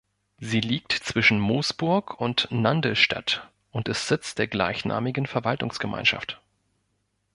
Sie liegt zwischen Moosburg und Nandlstadt und ist Sitz der gleichnamigen Verwaltungsgemeinschaft.